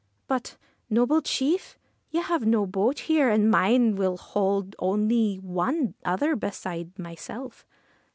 ' But, noble chief, you have no boat here, and mine will hold only one other beside myself.'